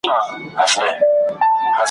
یو ښکاري کرۍ ورځ ښکار نه وو مېندلی ,